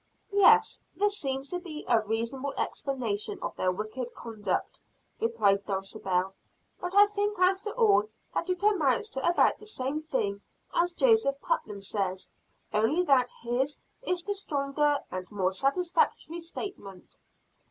"Yes, this seems to be a reasonable explanation of their wicked conduct," replied Dulcibel. "But I think after all, that it amounts to about the same thing as Joseph Putnam says, only that his is the stronger and more satisfactory statement."